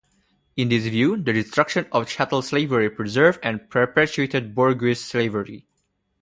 In this view, the destruction of chattel slavery preserved and perpetuated "bourgeois" slavery.